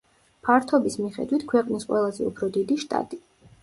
ფართობის მიხედვით ქვეყნის ყველაზე უფრო დიდი შტატი.